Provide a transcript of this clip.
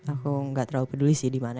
aku nggak terlalu peduli sih di mana